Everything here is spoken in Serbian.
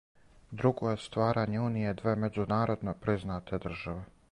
Друго је стварање уније две међународно признате државе.